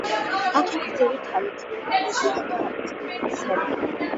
აქვს გრძელი თავი ძლიერი ყბებით და ძლიერი კისერი.